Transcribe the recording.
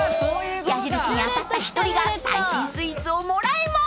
［矢印に当たった１人が最新スイーツをもらえます］